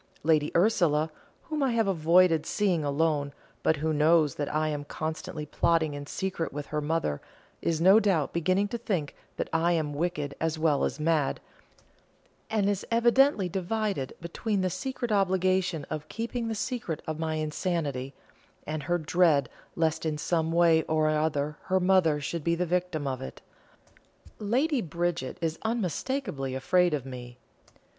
Lady Ursula, whom I have avoided seeing alone, but who knows that I am constantly plotting in secret with her mother, is no doubt beginning to think that I am wicked as well as mad, and is evidently divided between the secret obligation of keeping the secret of my insanity, and her dread lest in some way or other her mother should be the victim of it. Lady Bridget is unmistakably afraid of me.